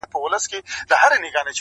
تر قدمه يې په زر ځله قربان سول،